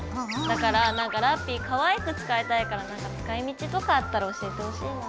だからラッピィかわいく使いたいからなんか使い道とかあったら教えてほしいな。